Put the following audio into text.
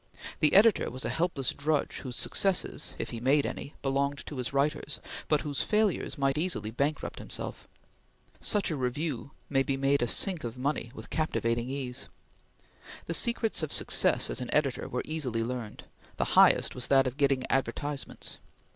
The editor was a helpless drudge whose successes, if he made any, belonged to his writers; but whose failures might easily bankrupt himself. Such a Review may be made a sink of money with captivating ease. The secrets of success as an editor were easily learned; the highest was that of getting advertisements.